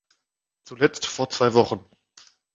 Zuletzt vor zwei Wochen.